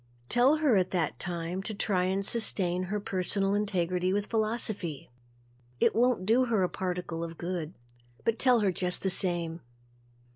Tell her at that time to try and sustain her personal integrity with philosophy. It won't do her a particle of good but tell her just the same.